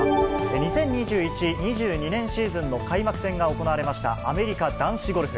２０２１、２０２２年シーズンの開幕戦が行われました、アメリカ男子ゴルフ。